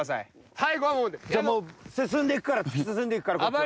じゃあもう進んでいくから突き進んでいくからこっちは。